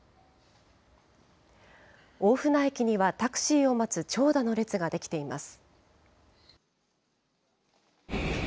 大船駅にはタクシーを待つ長蛇の列が出来ています。